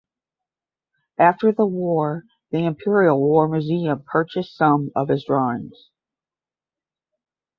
After the war the Imperial War Museum purchased some of his drawings.